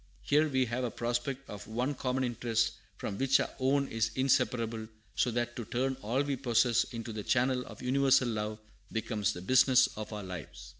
Here we have a prospect of one common interest from which our own is inseparable, so that to turn all we possess into the channel of universal love becomes the business of our lives."